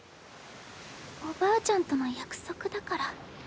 おばあちゃんとの約束だから。